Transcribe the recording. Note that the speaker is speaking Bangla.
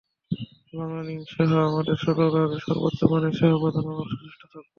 বাংলালিংকসহ আমাদের সকল গ্রাহকদের সর্বোচ্চ মানের সেবা প্রদানে আমরা সচেষ্ট থাকব।